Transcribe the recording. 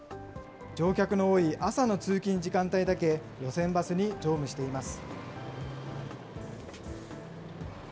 乗客の多い朝の通勤時間帯にだけ路線バスに乗務しています。